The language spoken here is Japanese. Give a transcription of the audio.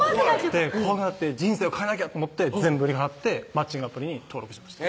怖くなって人生を変えなきゃと思って全部売り払ってマッチングアプリに登録しました